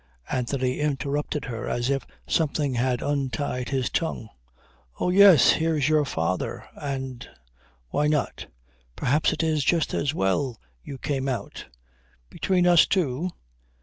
Anthony interrupted her as if something had untied his tongue. "Oh yes. Here's your father. And ... Why not. Perhaps it is just as well you came out. Between us two?